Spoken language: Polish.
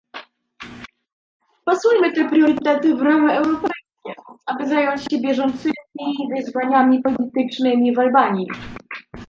Wpasujmy te priorytety w ramy europejskie, aby zająć się bieżącymi wyzwaniami politycznymi w Albanii